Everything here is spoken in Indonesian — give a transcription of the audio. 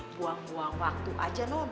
buang buang waktu aja no